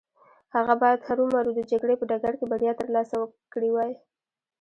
هغه بايد هرو مرو د جګړې په ډګر کې بريا ترلاسه کړې وای.